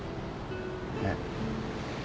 えっ？